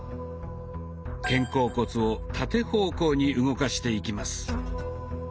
肩甲骨を縦方向に動かしていきます。